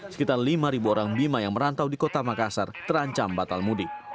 sekitar lima orang bima yang merantau di kota makassar terancam batal mudik